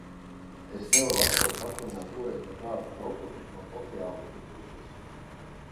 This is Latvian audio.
Es nevaru atsaukt atmiņā toreiz nekādus protestus no sociālistu puses.